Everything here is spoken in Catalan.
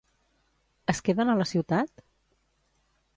Es queden a la ciutat?